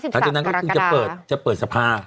หลังจากนั้นก็คือจะเปิดสภา